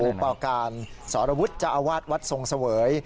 ผู้ประการสรวจอาวาทวัดทรงเสวย